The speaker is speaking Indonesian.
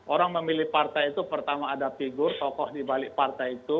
orang memilih partai itu pertama ada figur tokoh di balik partai itu